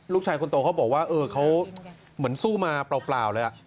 ลูกชายคนโตเขาบอกว่าเออเขาเหมือนสู้มาเปล่าเลย